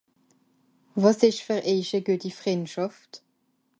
wàs esch fer eich à gueti Frìndschàft